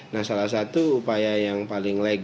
nah salah satu upaya yang paling lag